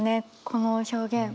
この表現。